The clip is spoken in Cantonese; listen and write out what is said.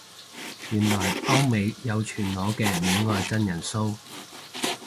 原來歐美有全裸嘅戀愛真人騷